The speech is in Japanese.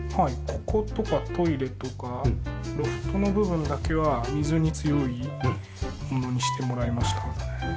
こことかトイレとかロフトの部分だけは水に強いものにしてもらいました。